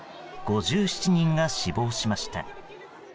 ５７人が死亡しました。